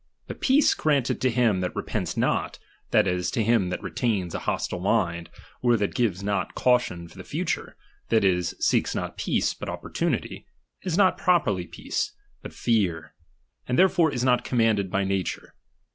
But peace granted to him that repents not, that is, to him that retains a hostile mind, or that gives not caution for the future, that is, seeks not peace, but opportunity ; is not properly peace, but fear, and therefore is not com manded by nature.